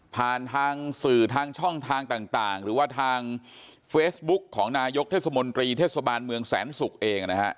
ผ่านทางสื่อทางช่องทางต่างหรือว่าทางเฟซบุ๊กของนายกเทศมนตรีเทศบาลเมืองแสนศุกร์เองนะฮะ